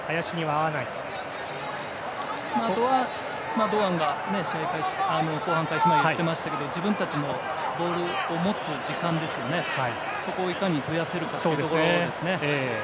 あとは、堂安が後半開始前言ってましたけど自分たちがボールを持つ時間をそこをいかに増やせるかというところですね。